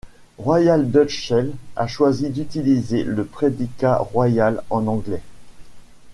Royal Dutch Shell a choisi d'utiliser le prédicat royal en anglais.